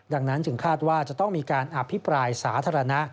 ดังนั้นจึงคาดว่าจะต้องมีการอภิปรายสาธารณะ